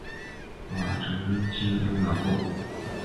我曾经拥有过